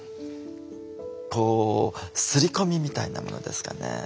こう擦り込みみたいなものですかね。